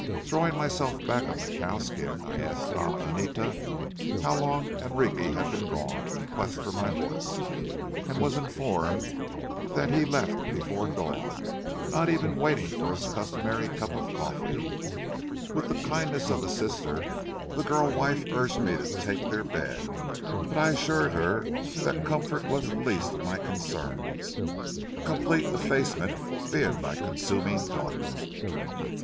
Throwing myself back on the cowskin, I asked Doña Anita how long Enrique had been gone in quest of my horse, and was informed that he left before dawn, not even waiting for his customary cup of coffee. With the kindness of a sister, the girl wife urged me to take their bed; but I assured her that comfort was the least of my concerns, complete effacement being my consuming thought.